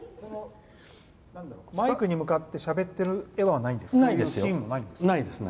マイクに向かってしゃべってるシーンはないですよ。